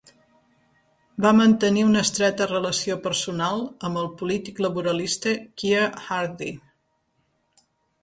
Va mantenir una estreta relació personal amb el polític laboralista Keir Hardie.